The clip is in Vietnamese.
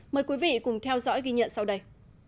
mời quý vị cùng theo dõi ghi nhận sau đây